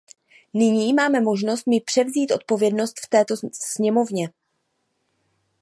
Nyní máme možnost my převzít odpovědnost v této sněmovně.